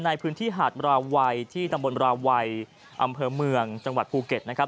ในพื้นที่หาดราวัยที่ตำบลราวัยอำเภอเมืองจังหวัดภูเก็ตนะครับ